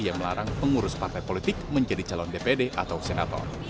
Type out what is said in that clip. yang melarang pengurus partai politik menjadi calon dpd atau senator